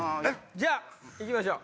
じゃあ行きましょう。